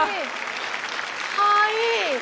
เฮ่ย